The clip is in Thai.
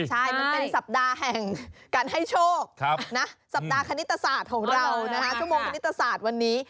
ใช่มันเป็นสัปดาห์แห่งการให้โชคสัปดาห์คณิตศาสตร์ของเราชั่วโมงคณิตศาสตร์วันนี้